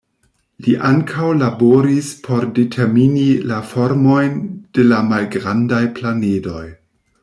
Li ankaŭ laboris por determini la formojn de la malgrandaj planedoj.